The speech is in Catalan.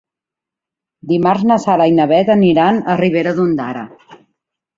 Dimarts na Sara i na Bet aniran a Ribera d'Ondara.